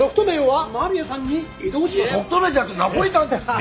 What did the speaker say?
ソフト麺じゃなくてナポリタンですよ。